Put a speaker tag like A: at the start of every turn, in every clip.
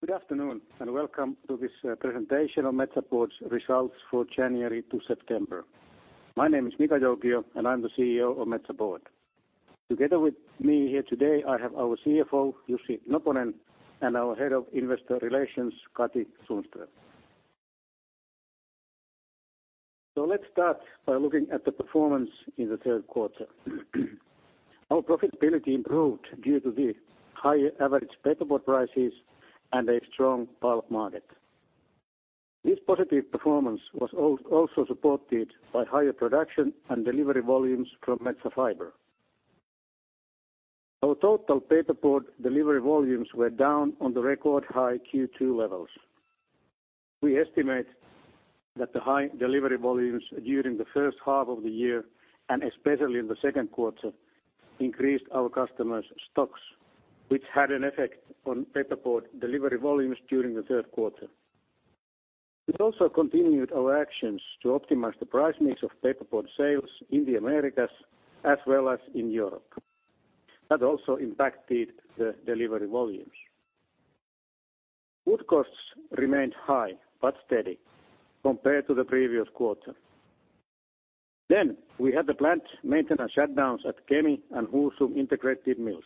A: Good afternoon and welcome to this presentation on Metsä Board's Results for January to September. My name is Mika Joukio and I'm the CEO of Metsä Board. Together with me here today, I have our CFO, Jussi Noponen, and our Head of Investor Relations, Katri Sundström, so let's start by looking at the performance in the third quarter. Our profitability improved due to the higher average paperboard prices and a strong bulk market. This positive performance was also supported by higher production and delivery volumes from Metsä Fibre. Our total paperboard delivery volumes were down on the record high Q2 levels. We estimate that the high delivery volumes during the first half of the year, and especially in the second quarter, increased our customers' stocks, which had an effect on paperboard delivery volumes during the third quarter. We also continued our actions to optimize the price mix of paperboard sales in the Americas as well as in Europe. That also impacted the delivery volumes. Wood costs remained high but steady compared to the previous quarter, then we had the planned maintenance shutdowns at Kemi and Husum integrated mills.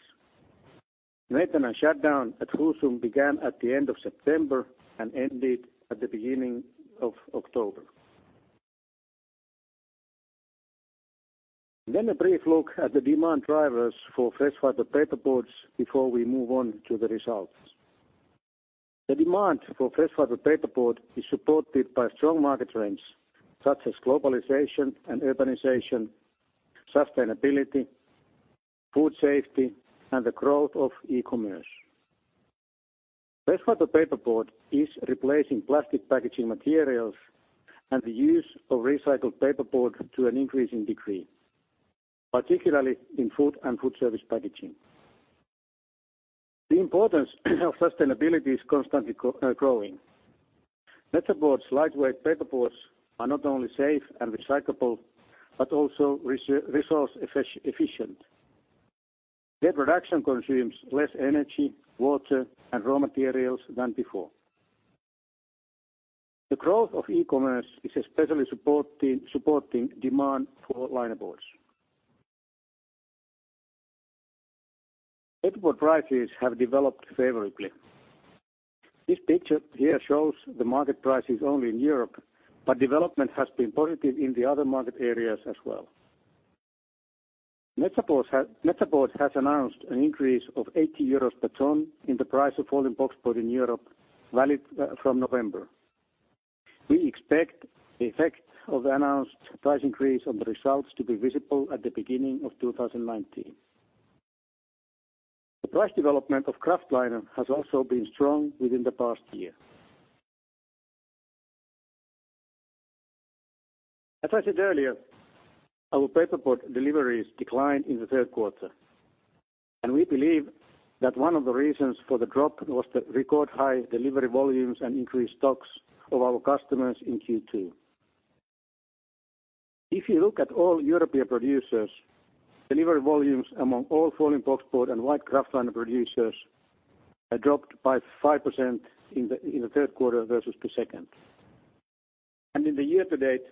A: Maintenance shutdown at Husum began at the end of September and ended at the beginning of October, then a brief look at the demand drivers for fresh fiber paperboards before we move on to the results. The demand for fresh fiber paperboard is supported by strong market trends such as globalization and urbanization, sustainability, food safety, and the growth of e-commerce. Fresh fiber paperboard is replacing plastic packaging materials and the use of recycled paperboard to an increasing degree, particularly in food and food service packaging. The importance of sustainability is constantly growing. Metsä Board's lightweight paperboards are not only safe and recyclable but also resource efficient. Their production consumes less energy, water, and raw materials than before. The growth of e-commerce is especially supporting demand for linerboards. Paperboard prices have developed favorably. This picture here shows the market prices only in Europe, but development has been positive in the other market areas as well. Metsä Board has announced an increase of 80 euros per ton in the price of folding boxboard in Europe, valid from November. We expect the effect of the announced price increase on the results to be visible at the beginning of 2019. The price development of kraftliner has also been strong within the past year. As I said earlier, our paperboard deliveries declined in the third quarter, and we believe that one of the reasons for the drop was the record high delivery volumes and increased stocks of our customers in Q2. If you look at all European producers, delivery volumes among all folding boxboard and white kraftliner producers dropped by 5% in the third quarter versus the second. And in the year to date,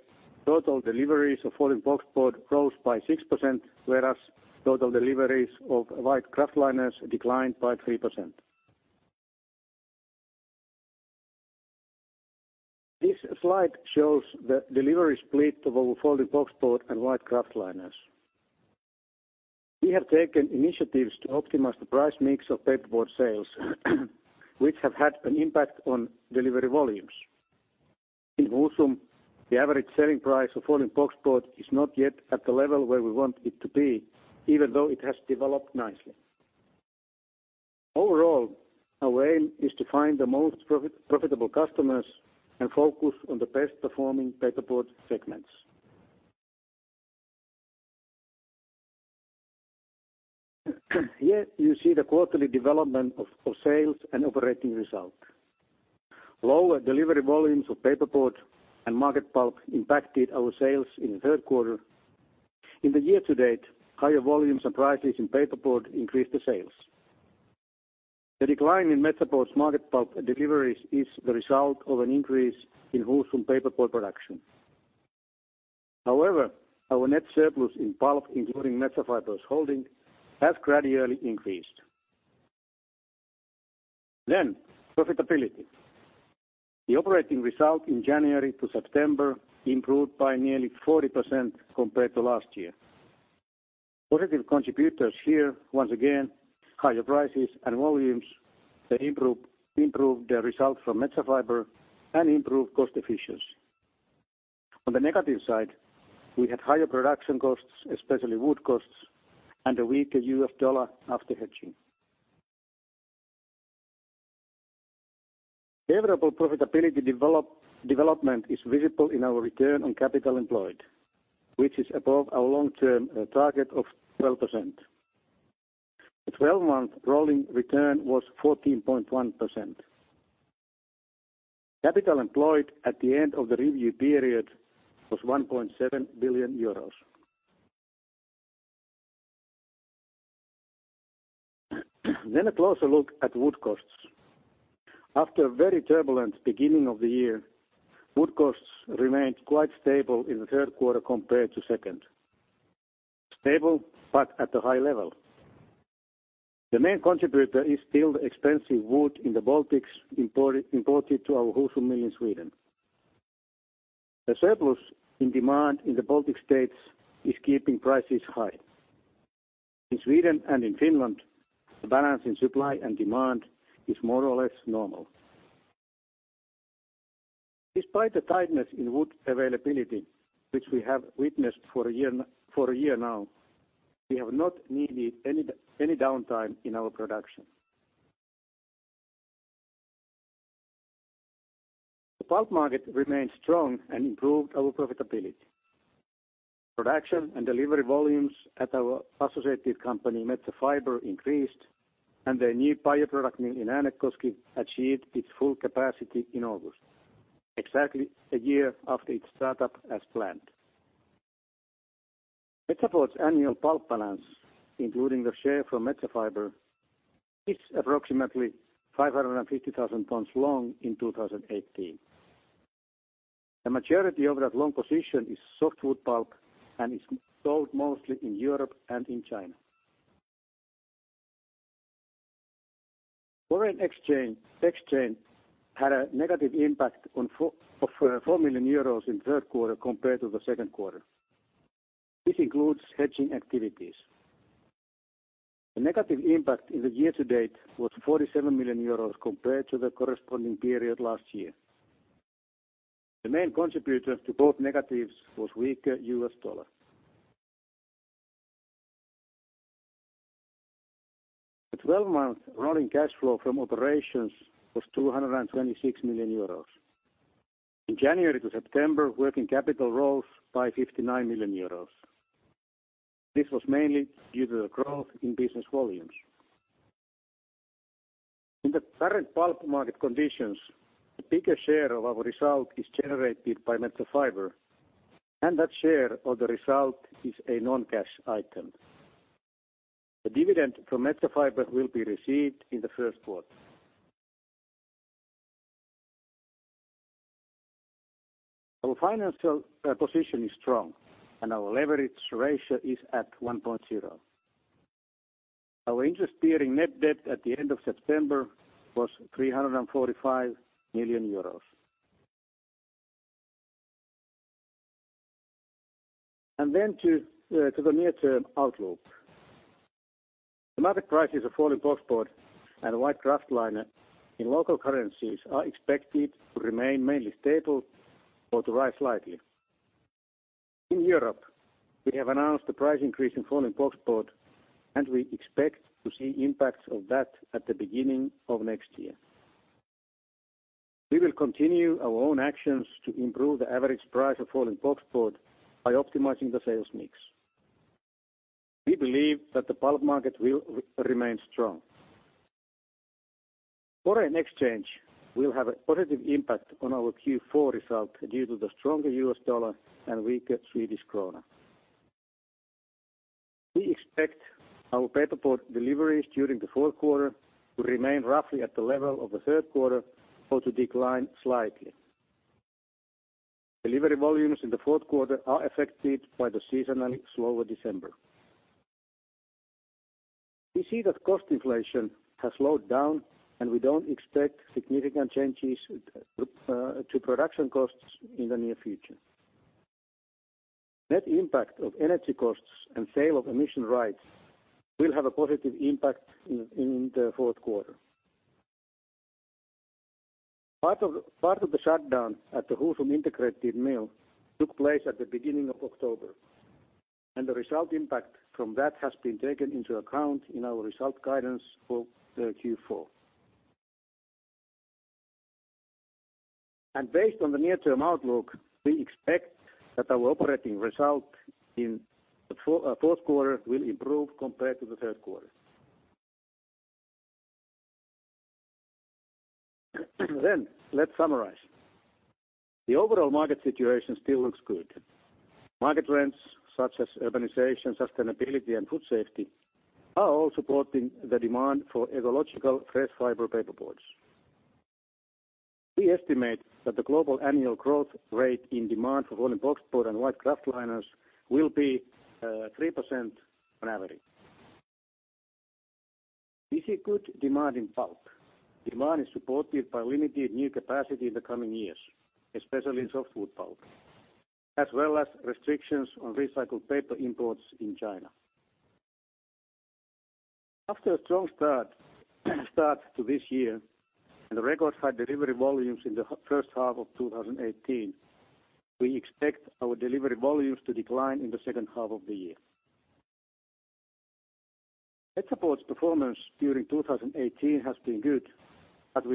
A: total deliveries of folding boxboard rose by 6%, whereas total deliveries of white kraftliners declined by 3%. This slide shows the delivery split of our folding boxboard and white kraftliners. We have taken initiatives to optimize the price mix of paperboard sales, which have had an impact on delivery volumes. In Husum, the average selling price of folding boxboard is not yet at the level where we want it to be, even though it has developed nicely. Overall, our aim is to find the most profitable customers and focus on the best-performing paperboard segments. Here you see the quarterly development of sales and operating results. Lower delivery volumes of paperboard and market pulp impacted our sales in the third quarter. In the year to date, higher volumes and prices in paperboard increased the sales. The decline in Metsä Board's market pulp deliveries is the result of an increase in Husum paperboard production. However, our net surplus in pulp, including Metsä Fibre holding, has gradually increased. Then profitability. The operating result in January to September improved by nearly 40% compared to last year. Positive contributors here, once again, higher prices and volumes that improved the result from Metsä Fibre and improved cost efficiency. On the negative side, we had higher production costs, especially wood costs, and a weaker U.S. dollar after hedging. Favorable profitability development is visible in our return on capital employed, which is above our long-term target of 12%. The 12-month rolling return was 14.1%. Capital employed at the end of the review period was 1.7 billion euros, then a closer look at wood costs. After a very turbulent beginning of the year, wood costs remained quite stable in the third quarter compared to the second. Stable but at a high level. The main contributor is still the expensive wood in the Baltics imported to our Husum mill in Sweden. The surplus in demand in the Baltic states is keeping prices high. In Sweden and in Finland, the balance in supply and demand is more or less normal. Despite the tightness in wood availability, which we have witnessed for a year now, we have not needed any downtime in our production. The pulp market remained strong and improved our profitability. Production and delivery volumes at our associated company, Metsä Fibre, increased, and the new bioproduct mill in Äänekoski achieved its full capacity in August, exactly a year after its startup as planned. Metsä Board's annual pulp balance, including the share from Metsä Fibre, is approximately 550,000 tons long in 2018. The majority of that long position is softwood pulp and is sold mostly in Europe and in China. Foreign exchange had a negative impact of 4 million euros in the third quarter compared to the second quarter. This includes hedging activities. The negative impact in the year to date was 47 million euros compared to the corresponding period last year. The main contributor to both negatives was weaker USD. The 12-month rolling cash flow from operations was 226 million euros. In January to September, working capital rose by 59 million euros. This was mainly due to the growth in business volumes. In the current pulp market conditions, a bigger share of our result is generated by Metsä Fibre, and that share of the result is a non-cash item. The dividend from Metsä Fibre will be received in the first quarter. Our financial position is strong, and our leverage ratio is at 1.0. Our interest-bearing net debt at the end of September was 345 million euros, and then to the near-term outlook. The market prices of folding boxboard and white kraftliner in local currencies are expected to remain mainly stable or to rise slightly. In Europe, we have announced the price increase in folding boxboard, and we expect to see impacts of that at the beginning of next year. We will continue our own actions to improve the average price of folding boxboard by optimizing the sales mix. We believe that the pulp market will remain strong. Foreign exchange will have a positive impact on our Q4 result due to the stronger U.S. dollar and weaker Swedish krona. We expect our paperboard deliveries during the fourth quarter to remain roughly at the level of the third quarter or to decline slightly. Delivery volumes in the fourth quarter are affected by the seasonally slower December. We see that cost inflation has slowed down, and we don't expect significant changes to production costs in the near future. Net impact of energy costs and sale of emission rights will have a positive impact in the fourth quarter. Part of the shutdown at the Husum integrated mill took place at the beginning of October, and the result impact from that has been taken into account in our result guidance for Q4. Based on the near-term outlook, we expect that our operating result in the fourth quarter will improve compared to the third quarter. Let's summarize. The overall market situation still looks good. Market trends such as urbanization, sustainability, and food safety are all supporting the demand for ecological fresh fiber paperboards. We estimate that the global annual growth rate in demand for folding boxboard and white kraftliners will be 3% on average. We see good demand in pulp. Demand is supported by limited new capacity in the coming years, especially softwood pulp, as well as restrictions on recycled paper imports in China. After a strong start to this year and the record high delivery volumes in the first half of 2018, we expect our delivery volumes to decline in the second half of the year. Metsä Board's performance during 2018 has been good, but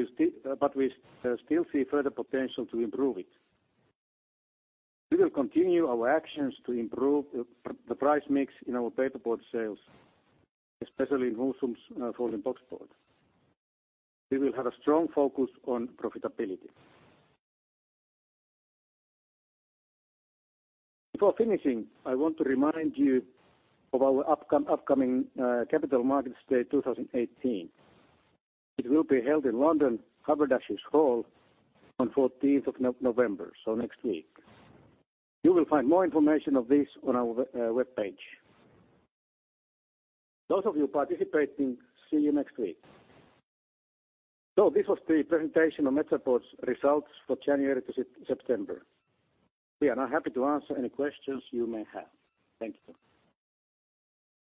A: we still see further potential to improve it. We will continue our actions to improve the price mix in our paperboard sales, especially in Husum's folding boxboard. We will have a strong focus on profitability. Before finishing, I want to remind you of our upcoming Capital Markets Day 2018. It will be held in London, Haberdashers' Hall, on 14th of November, so next week. You will find more information on this on our web page. Those of you participating, see you next week. So this was the presentation of Metsä Board's results for January to September. We are now happy to answer any questions you may have. Thank you.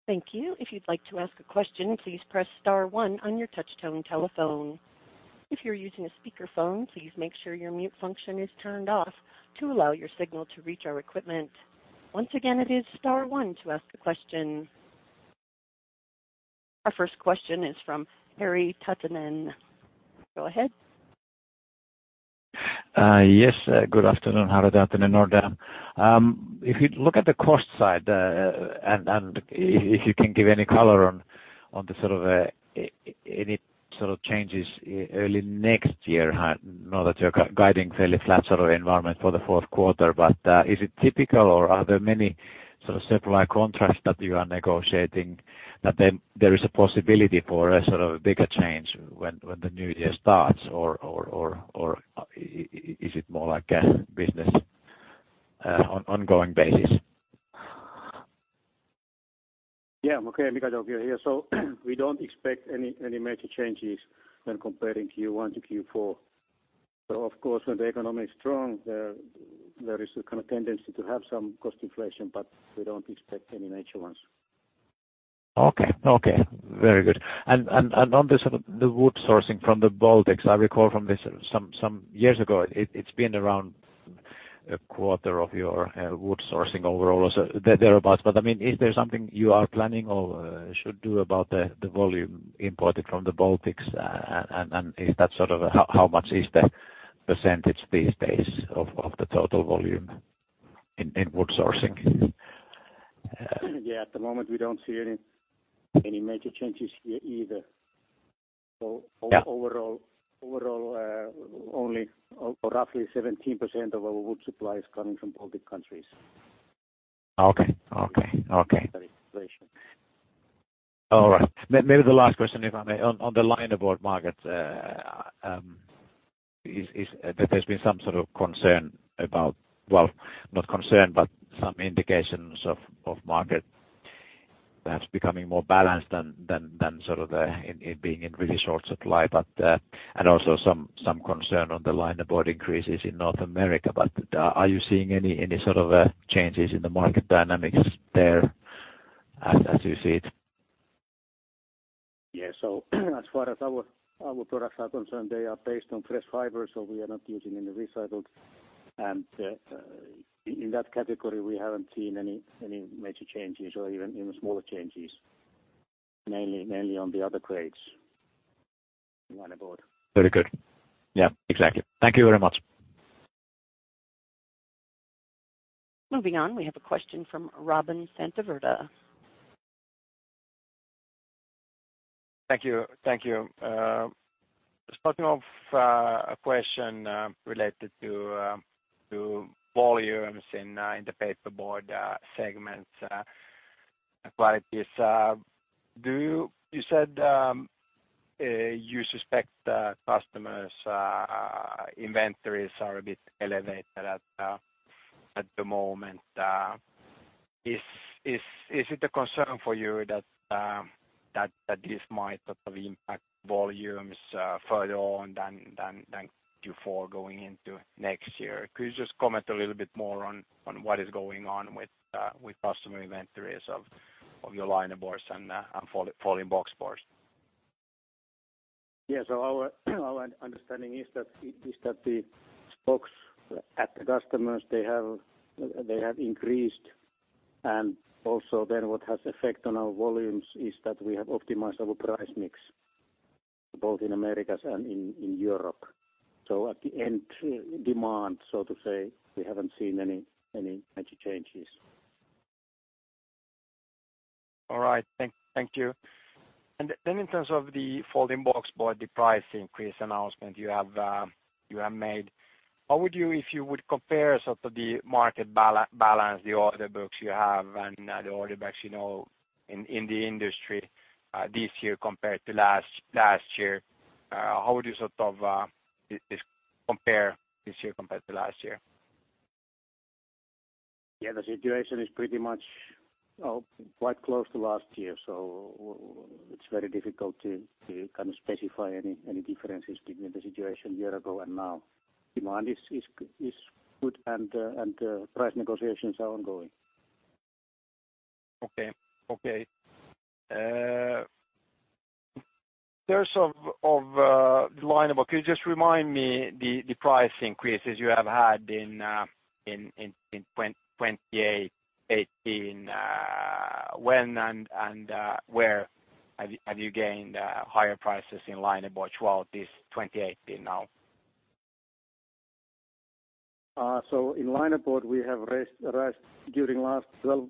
B: Thank you. If you'd like to ask a question, please press star one on your touchtone telephone. If you're using a speakerphone, please make sure your mute function is turned off to allow your signal to reach our equipment. Once again, it is star one to ask a question. Our first question is from Harri Taittonen. Go ahead.
C: Yes. Good afternoon. Harri Taittonen, Nordea. If you look at the cost side and if you can give any color on the sort of any sort of changes early next year, I know that you're guiding a fairly flat sort of environment for the fourth quarter, but is it typical or are there many sort of supply contracts that you are negotiating that there is a possibility for a sort of bigger change when the new year starts, or is it more like a business ongoing basis?
A: Yeah. I'm okay. I'm Mika Joukio here. So we don't expect any major changes when comparing Q1 to Q4. So of course, when the economy is strong, there is a kind of tendency to have some cost inflation, but we don't expect any major ones.
C: Okay. Okay. Very good. And on the wood sourcing from the Baltics, I recall from this some years ago, it's been around a quarter of your wood sourcing overall or thereabouts. But I mean, is there something you are planning or should do about the volume imported from the Baltics, and is that sort of how much is the percentage these days of the total volume in wood sourcing?
A: Yeah. At the moment, we don't see any major changes here either. So overall, only roughly 17% of our wood supply is coming from Baltic countries.
C: Okay. Okay. Okay. All right. Maybe the last question, if I may, on the linerboard markets, is that there's been some sort of concern about, well, not concern, but some indications of market perhaps becoming more balanced than sort of being in really short supply, and also some concern on the linerboard increases in North America. But are you seeing any sort of changes in the market dynamics there as you see it?
A: Yeah. So as far as our products are concerned, they are based on fresh fiber, so we are not using any recycled. And in that category, we haven't seen any major changes or even smaller changes, mainly on the other kraftliner board.
C: Very good. Yeah. Exactly. Thank you very much.
B: Moving on, we have a question from Robin Santavirta.
D: Thank you. Thank you. Starting off a question related to volumes in the paperboard segments, qualities. You said you suspect customers' inventories are a bit elevated at the moment. Is it a concern for you that this might sort of impact volumes further on than Q4 going into next year? Could you just comment a little bit more on what is going on with customer inventories of your linerboards and folding boxboards?
A: Yeah. So our understanding is that the stocks at the customers, they have increased, and also then what has affected on our volumes is that we have optimized our price mix both in Americas and in Europe. So at the end demand, so to say, we haven't seen any major changes.
D: All right. Thank you. And then in terms of the folding boxboard, the price increase announcement you have made, how would you, if you would compare sort of the market balance, the order books you have and the order backlog in the industry this year compared to last year, how would you sort of compare this year compared to last year?
A: Yeah. The situation is pretty much quite close to last year, so it's very difficult to kind of specify any differences between the situation a year ago and now. Demand is good, and price negotiations are ongoing.
D: Okay. Okay. In terms of linerboard, could you just remind me the price increases you have had in 2018, when and where have you gained higher prices in linerboards while it is 2018 now?
A: So in linerboard, we have raised prices during the last 12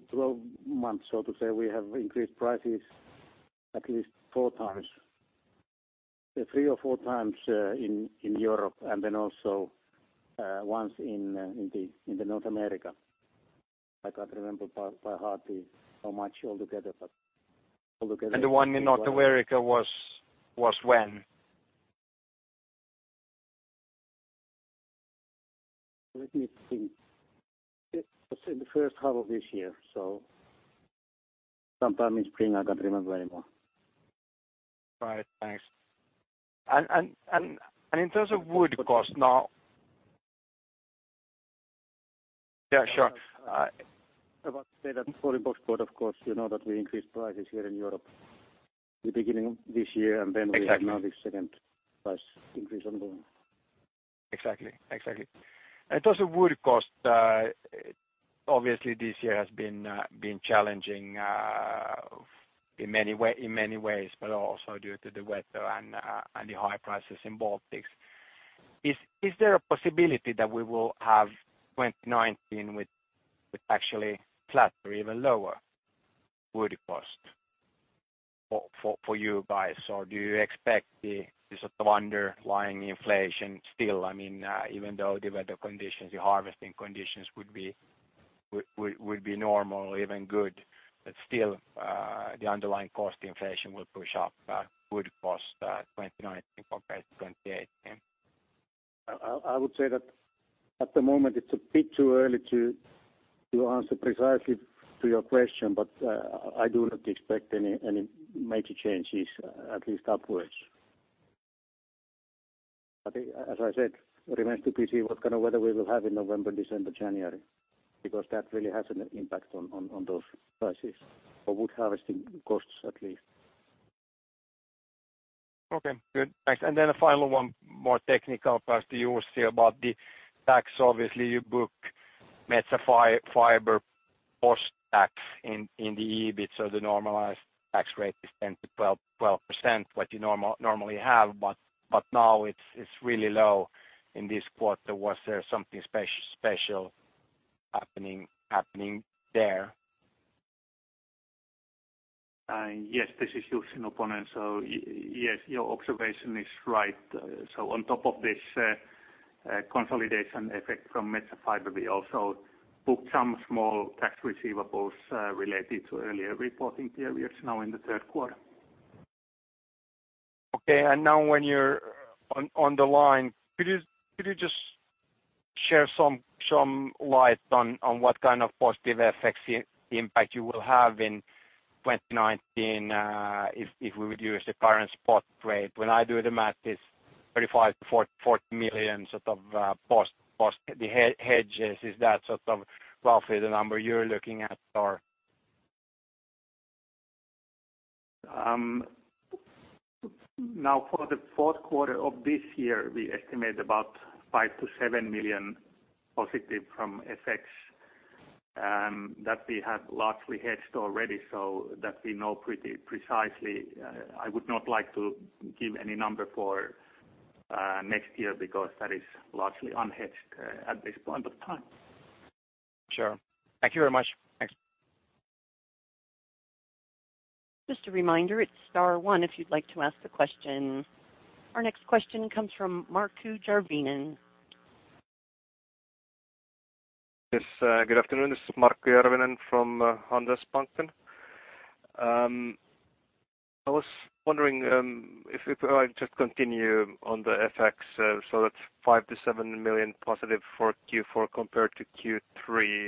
A: months, so to say. We have increased prices at least four times, three or four times in Europe, and then also once in North America. I can't remember by heart how much altogether, but altogether.
D: And the one in North America was when?
A: Let me think. It was in the first half of this year, so sometime in spring. I can't remember anymore.
D: All right. Thanks. And in terms of wood cost now.
A: Yeah. Sure. About the folding boxboard, of course, you know that we increased prices here in Europe in the beginning of this year, and then we have now this second price increase ongoing.
D: Exactly. Exactly. And in terms of wood cost, obviously, this year has been challenging in many ways, but also due to the weather and the high prices in Baltics. Is there a possibility that we will have 2019 with actually flat or even lower wood cost for you guys, or do you expect the sort of underlying inflation still? I mean, even though the weather conditions, the harvesting conditions would be normal or even good, but still the underlying cost inflation will push up wood cost 2019 compared to 2018?
A: I would say that at the moment, it's a bit too early to answer precisely to your question, but I do not expect any major changes, at least upwards. As I said, it remains to be seen what kind of weather we will have in November, December, January, because that really has an impact on those prices or wood harvesting costs at least.
D: Okay. Good. Thanks. And then a final one, more technical, perhaps to you would say about the tax. Obviously, you book Metsä Board Metsä Fibre post-tax in the EBIT, so the normalized tax rate is 10%-12%, what you normally have, but now it's really low in this quarter. Was there something special happening there?
E: Yes. This is Jussi Noponen, so yes, your observation is right. So on top of this consolidation effect from Metsä Board Metsä Fibre, we also booked some small tax receivables related to earlier reporting periods now in the third quarter.
D: Okay. And now when you're on the line, could you just shed some light on what kind of positive effects, the impact you will have in 2019 if we would use the current spot rate? When I do the math, it's 35 million-40 million sort of cost. The hedges, is that sort of roughly the number you're looking at, or?
E: Now, for the fourth quarter of this year, we estimate about 5-7 million positive from FX that we have largely hedged already, so that we know pretty precisely. I would not like to give any number for next year because that is largely unhedged at this point of time. Sure. Thank you very much. Thanks.
B: Just a reminder, it's star one if you'd like to ask a question. Our next question comes from Markku Järvinen.
F: Yes. Good afternoon. This is Markku Järvinen from Handelsbanken. I was wondering if I just continue on the FX, so that's 5-7 million positive for Q4 compared to Q3.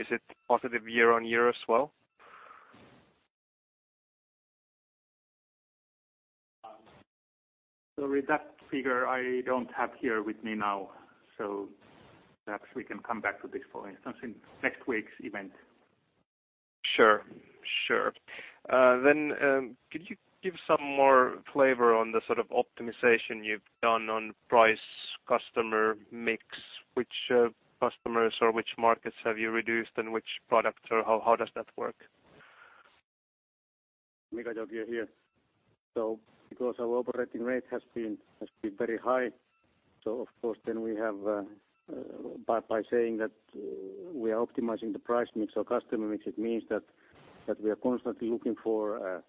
F: Is it positive year-on-year as well?
A: The exact figure, I don't have here with me now, so perhaps we can come back to this for instance in next week's event.
F: Sure. Sure. Then could you give some more flavor on the sort of optimization you've done on price customer mix? Which customers or which markets have you reduced, and which products, or how does that work?
A: Mika Joukio here. So because our operating rate has been very high, so of course, then we have by saying that we are optimizing the price mix or customer mix, it means that we are constantly looking for,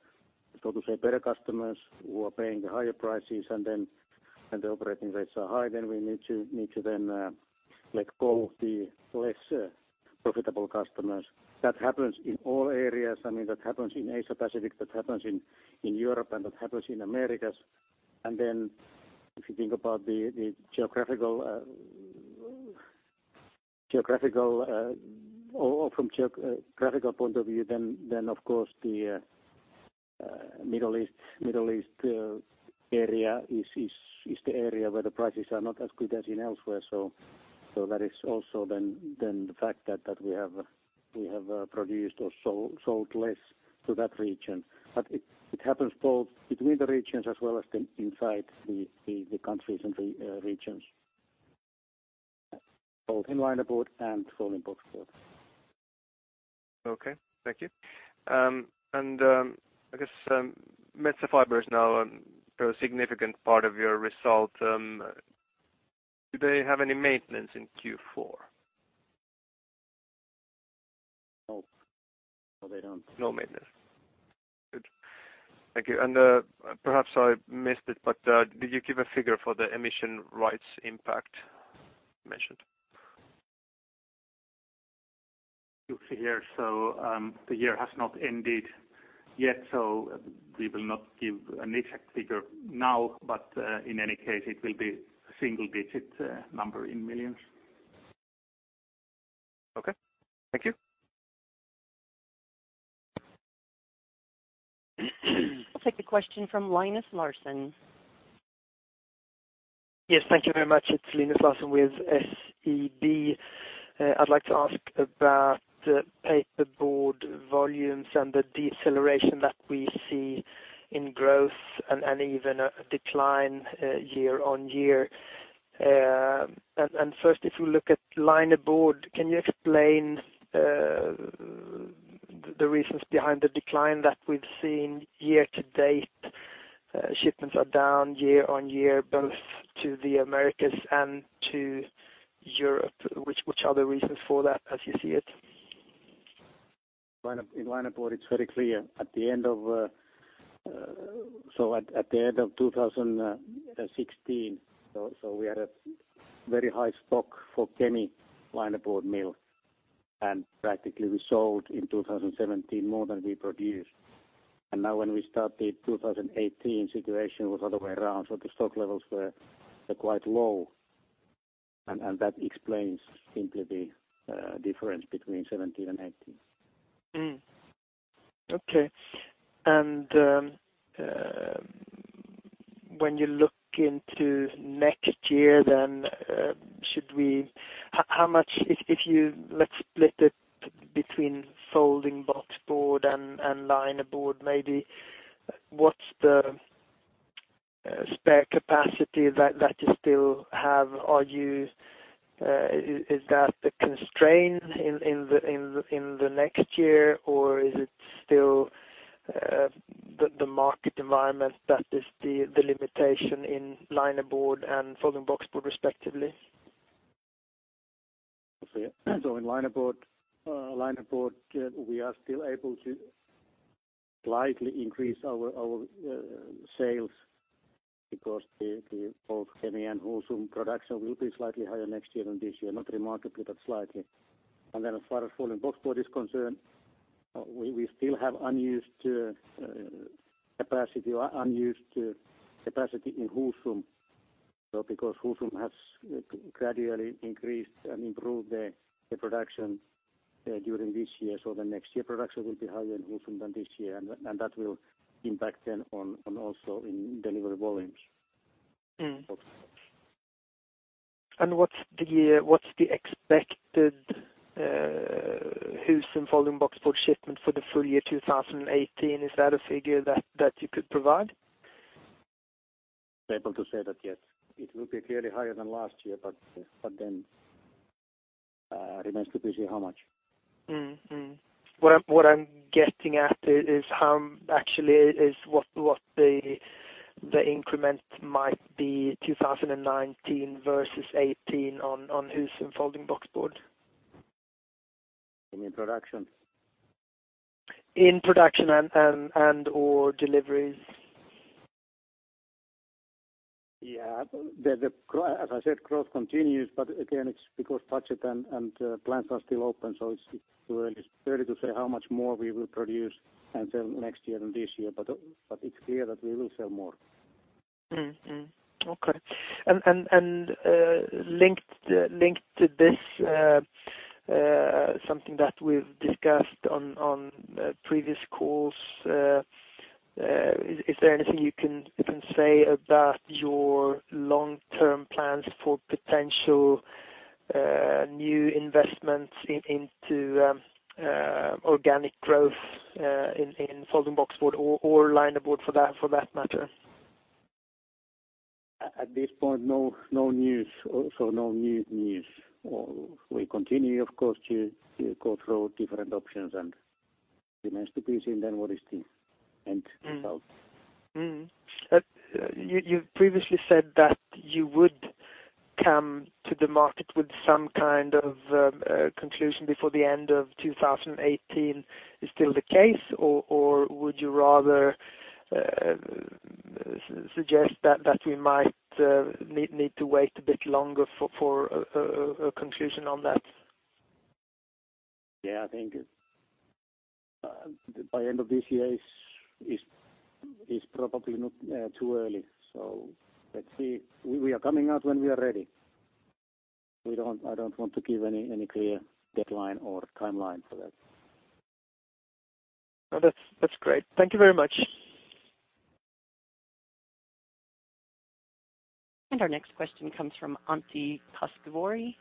A: so to say, better customers who are paying the higher prices, and then when the operating rates are high, then we need to then let go of the less profitable customers. That happens in all areas. I mean, that happens in Asia-Pacific, that happens in Europe, and that happens in Americas. And then if you think about the geographical or from a geographical point of view, then of course, the Middle East area is the area where the prices are not as good as elsewhere. So that is also then the fact that we have produced or sold less to that region. But it happens both between the regions as well as inside the countries and regions, both in linerboard and folding boxboard.
F: Okay. Thank you. And I guess Metsä Board now, a significant part of your result. Do they have any maintenance in Q4?
A: No. No, they don't.
F: No maintenance. Good. Thank you. And perhaps I missed it, but did you give a figure for the emission rights impact mentioned?
E: The year has not ended yet, so we will not give an exact figure now, but in any case, it will be a single-digit number in millions.
F: Okay. Thank you.
B: We'll take a question from Linus Larsson.
G: Yes. Thank you very much. It's Linus Larsson with SEB. I'd like to ask about paperboard volumes and the deceleration that we see in growth and even a decline year-on-year. And first, if you look at linerboard, can you explain the reasons behind the decline that we've seen year to date? Shipments are down year-on-year, both to the Americas and to Europe. Which are the reasons for that, as you see it? In linerboard, it's very clear. At the end of 2016, so we had a very high stock for Kemi linerboard mill, and practically we sold in 2017 more than we produced. Now when we started 2018, the situation was the other way around, so the stock levels were quite low, and that explains simply the difference between 2017 and 2018. Okay. When you look into next year, then should we how much if you let's split it between folding boxboard and linerboard, maybe what's the spare capacity that you still have? Is that the constraint in the next year, or is it still the market environment that is the limitation in linerboard and folding boxboard respectively?
A: So in linerboard, we are still able to slightly increase our sales because both Kemi and Husum's production will be slightly higher next year than this year, not remarkably, but slightly. And then as far as folding boxboard is concerned, we still have unused capacity in Husum, so because Husum has gradually increased and improved their production during this year, so the next year production will be higher in Husum than this year, and that will impact then also in delivery volumes.
G: And what's the expected Husum folding boxboard shipment for the full year 2018? Is that a figure that you could provide?
A: Able to say that yes. It will be clearly higher than last year, but then it remains to be seen how much.
G: What I'm getting at is how actually is what the increment might be 2019 versus 2018 on Husum folding boxboard?
A: In production?
G: In production and/or deliveries?
A: Yeah. As I said, growth continues, but again, it's because budget and plans are still open, so it's too early, it's early to say how much more we will produce and sell next year than this year, but it's clear that we will sell more.
G: Okay. And linked to this, something that we've discussed on previous calls, is there anything you can say about your long-term plans for potential new investments into organic growth in folding boxboard or linerboard for that matter?
A: At this point, no news, so no new news. We continue, of course, to go through different options, and it remains to be seen then what is the end result.
G: You previously said that you would come to the market with some kind of conclusion before the end of 2018. Is still the case, or would you rather suggest that we might need to wait a bit longer for a conclusion on that?
A: Yeah. I think by end of this year is probably not too early, so let's see. We are coming out when we are ready. I don't want to give any clear deadline or timeline for that.
G: That's great. Thank you very much.
B: Our next question comes from Antti Koskivuori.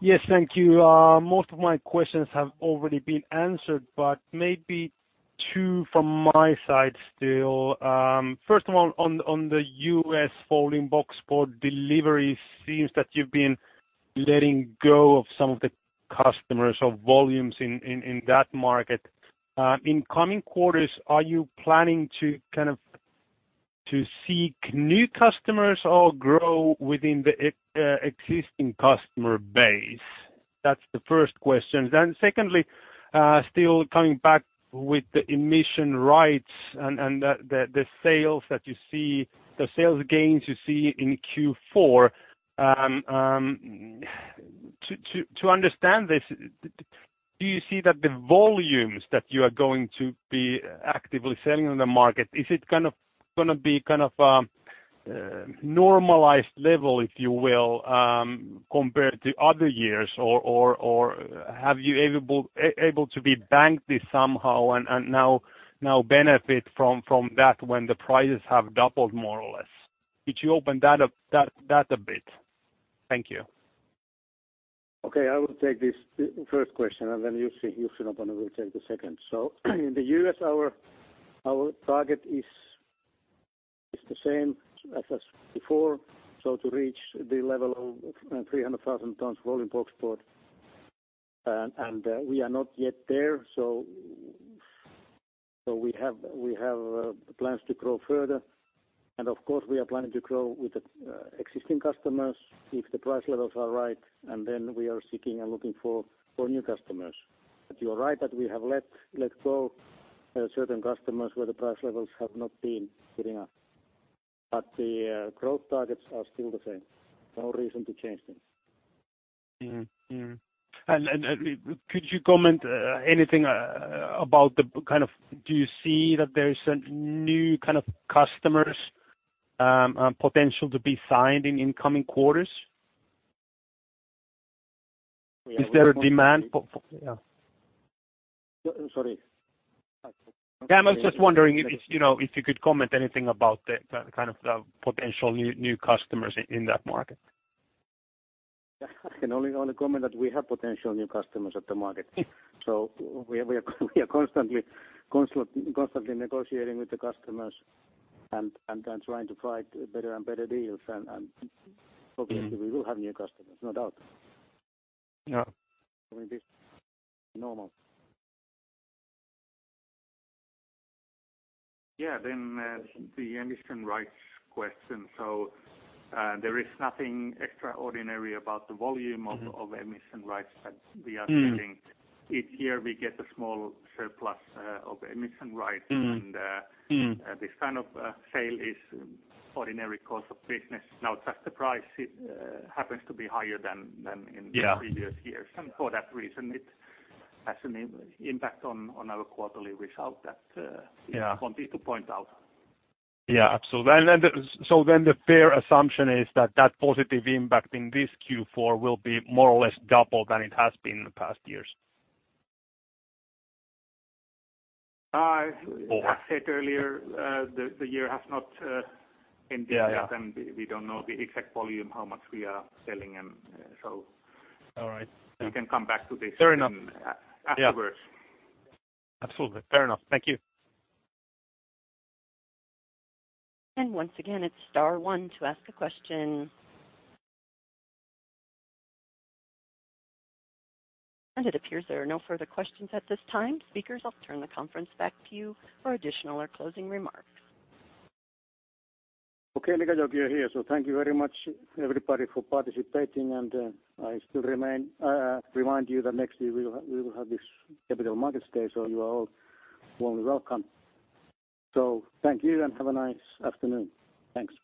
H: Yes. Thank you. Most of my questions have already been answered, but maybe two from my side still. First of all, on the U.S. folding boxboard deliveries, it seems that you've been letting go of some of the customers or volumes in that market. In coming quarters, are you planning to kind of seek new customers or grow within the existing customer base? That's the first question. Then secondly, still coming back with the emission rights and the sales that you see, the sales gains you see in Q4, to understand this, do you see that the volumes that you are going to be actively selling on the market, is it kind of going to be kind of a normalized level, if you will, compared to other years, or have you been able to bank this somehow and now benefit from that when the prices have doubled more or less? Could you open that up a bit? Thank you.
A: Okay. I will take this first question, and then Jussi Noponen will take the second. So in the U.S., our target is the same as before, so to reach the level of 300,000 tons folding boxboard, and we are not yet there, so we have plans to grow further. Of course, we are planning to grow with existing customers if the price levels are right, and then we are seeking and looking for new customers. You're right that we have let go of certain customers where the price levels have not been good enough, but the growth targets are still the same. No reason to change things.
H: Could you comment anything about the kind of do you see that there's a new kind of customers potential to be signed in incoming quarters? Is there a demand for? Yeah. Sorry. Yeah. I was just wondering if you could comment anything about the kind of potential new customers in that market?
A: I can only comment that we have potential new customers at the market. We are constantly negotiating with the customers and trying to find better and better deals, and obviously, we will have new customers, no doubt. I mean, this is normal.
E: Yeah. Then the emission rights question. So there is nothing extraordinary about the volume of emission rights that we are selling. Each year, we get a small surplus of emission rights, and this kind of sale is ordinary cost of business. Now, just the price happens to be higher than in previous years, and for that reason, it has an impact on our quarterly result that we wanted to point out.
H: Yeah. Absolutely. And so then the fair assumption is that positive impact in this Q4 will be more or less double than it has been in past years?
A: As I said earlier, the year has not ended, and we don't know the exact volume, how much we are selling, and so we can come back to this afterwards.
H: Absolutely. Fair enough. Thank you.
B: And once again, it's star one to ask a question. And it appears there are no further questions at this time. Speakers, I'll turn the conference back to you for additional or closing remarks.
A: Okay. Mika Joukio here. So thank you very much, everybody, for participating, and I still remind you that next year we will have this Capital Markets Day, so you are all warmly welcome. So thank you and have a nice afternoon. Thanks.